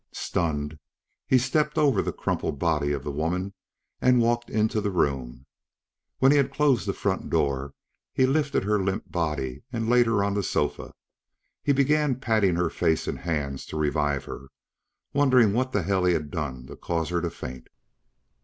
Stunned, he stepped over the crumpled body of the woman and walked into the room. When he had closed the front door, he lifted her limp body and laid her on the sofa. He began patting her face and hands to revive her, wondering what the hell he had done to cause her to faint.